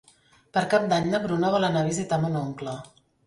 Per Cap d'Any na Bruna vol anar a visitar mon oncle.